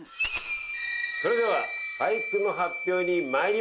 それでは俳句の発表に参りましょう。